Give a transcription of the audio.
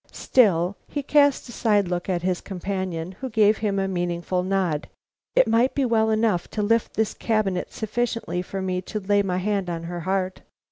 "Still " he cast a side look at his companion, who gave him a meaning nod "it might be well enough to lift this cabinet sufficiently for me to lay my hand on her heart."